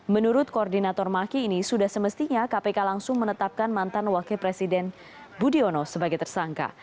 menurut koordinator maki ini sudah semestinya kpk langsung menetapkan mantan wakil presiden budiono sebagai tersangka